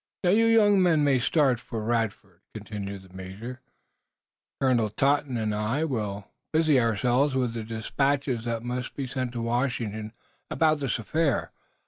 "Now, you young men may start for Radford," continued the major. "Colonel Totten and I will busy ourselves with the despatches that must be sent to Washington about this affair.